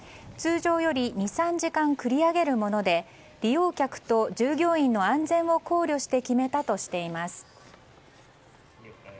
通常より２３時間繰り上げるもので利用客と従業員の安全を考慮して決めたとしています。